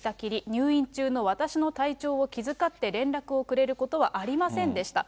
入院中の私の体調を気遣って連絡をくれることはありませんでした。